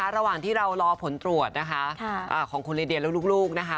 ระหว่างที่เรารอผลตรวจนะคะของคุณลีเดียและลูกนะคะ